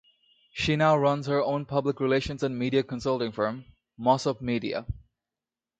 She now runs her own public relations and media consulting firm, Mossop Media.